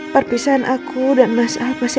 perpisahan aku dan mas alpasiak